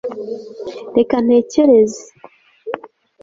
reka ntekereze